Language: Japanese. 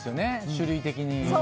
種類的に。